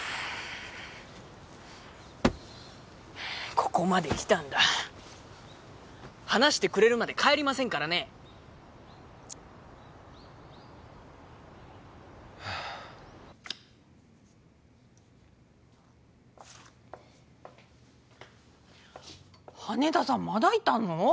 ここまで来たんだ話してくれるまで帰りませんからね羽田さんまだいたの？